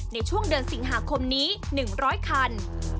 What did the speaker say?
ในช่วงเดือนสิงหาคมนี้๑๐๐คัน